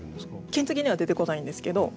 金継ぎには出てこないんですけど